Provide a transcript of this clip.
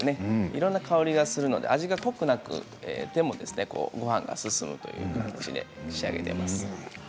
いろんな香りがして味が濃くなくごはんが進むという感じに仕上げています。